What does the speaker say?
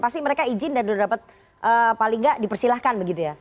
pasti mereka izin dan sudah dapat paling nggak dipersilahkan begitu ya